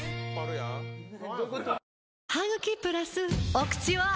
お口は！